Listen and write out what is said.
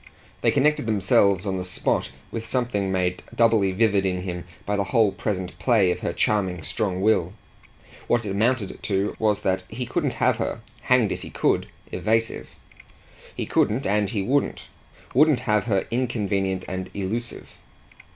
They connected themselves on the spot with something made doubly vivid in him by the whole present play of her charming strong will. What it amounted to was that he couldn't have her hanged if he could! evasive. He couldn't and he wouldn't wouldn't have her inconvenient and elusive.